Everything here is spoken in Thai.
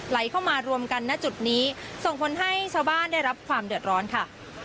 ไหลเข้ามารวมกันณจุดนี้ส่งผลให้ชาวบ้านได้รับความเดือดร้อนค่ะ